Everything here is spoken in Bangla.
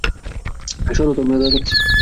সরো তো, আমি লতা খাচ্ছি।